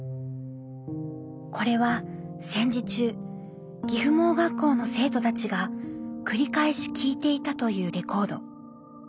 これは戦時中岐阜盲学校の生徒たちが繰り返し聴いていたというレコード。